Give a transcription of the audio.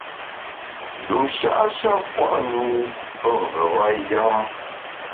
Yusha’ sha pua’ mi pe ngeba yam.